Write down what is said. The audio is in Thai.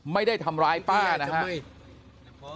ไม่ได้ทำร้ายป้านะครับ